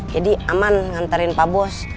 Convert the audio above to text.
jadi aman nganterin pak bos